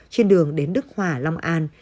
trên đường đến đức hòa long an